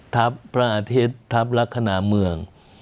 พระอาทิตย์ทัพลักษณะเมือง